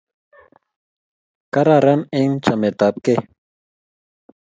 kararan eng chametap kei